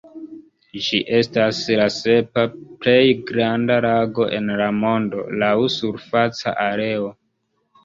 Ĝi estas la sepa plej granda lago en la mondo laŭ surfaca areo.